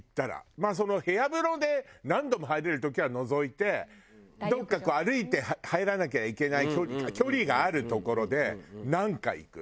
まあその部屋風呂で何度も入れる時は除いてどこかこう歩いて入らなきゃいけない距離がある所で何回行く？